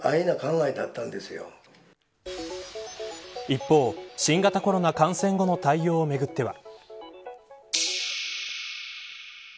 一方、新型コロナ感染後の対応をめぐっては。